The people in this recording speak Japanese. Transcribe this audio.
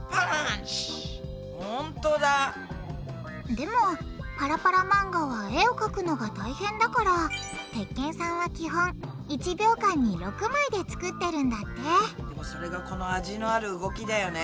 でもパラパラ漫画は絵をかくのが大変だから鉄拳さんは基本１秒間に６枚で作ってるんだってそれがこの味のある動きだよね。